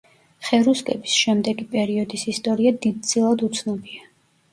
ხერუსკების შემდეგი პერიოდის ისტორია დიდწილად უცნობია.